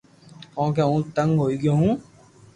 ڪونڪ ھون تنگ ھوئي گيو ھون